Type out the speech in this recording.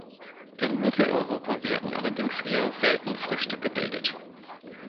In Mitteleuropa werden allerdings eher selten Früchte gebildet.